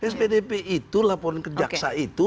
spdp itu laporan kejaksa itu